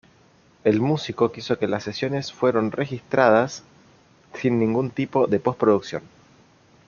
El músico quiso que las sesiones fueron registradas sin ningún tipo de post-producción.